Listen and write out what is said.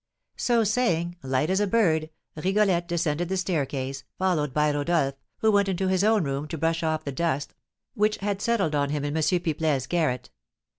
So saying, light as a bird, Rigolette descended the staircase, followed by Rodolph, who went into his own room to brush off the dust which had settled on him in M. Pipelet's garret.